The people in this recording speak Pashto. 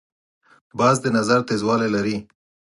باز د نظر تیزوالی لري